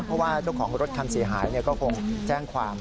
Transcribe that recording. เพราะว่าเจ้าของรถคันเสียหายก็คงแจ้งความ